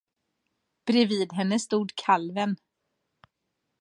Bredvid henne stod kalven.